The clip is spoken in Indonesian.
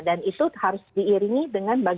dan itu harus diiringi dengan balik